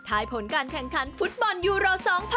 ผลการแข่งขันฟุตบอลยูโร๒๐๑๖